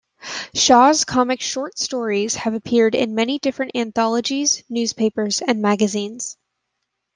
Shaw's comic short stories have appeared in many different anthologies, newspapers and magazines.